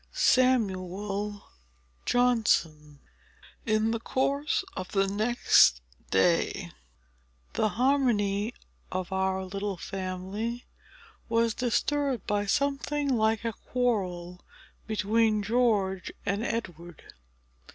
Chapter IV In the course of the next day, the harmony of our little family was disturbed by something like a quarrel between George and Edward.